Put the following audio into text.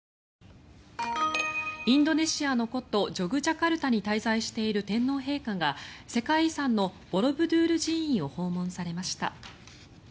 インドネシアの古都ジョクジャカルタに滞在している天皇陛下が世界遺産のボロブドゥール寺院を訪問されました。